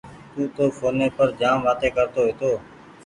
تونٚ تو ڦوني پر جآم وآتي ڪرتو هيتو۔